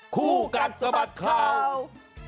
คู่กัดสะบัดข่าว